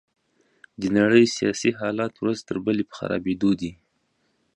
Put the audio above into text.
د نړۍ سياسي حالات ورځ تر بلې په خرابيدو دي.